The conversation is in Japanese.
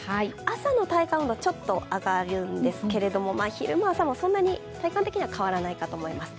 朝の体感温度はちょっと上がるんですけれども、昼間、朝もそんなに体感的には変わらないかと思います。